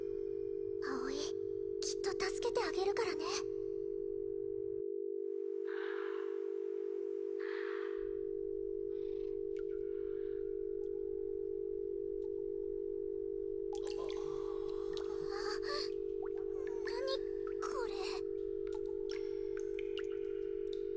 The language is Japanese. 葵きっと助けてあげるからねああああ何これ？